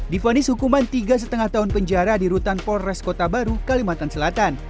difonis hukuman tiga lima tahun penjara di rutan polres kota baru kalimantan selatan